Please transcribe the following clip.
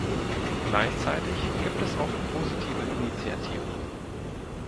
Gleichzeitig gibt es auch positive Initiativen.